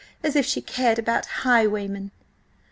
As if she cared about highwaymen!"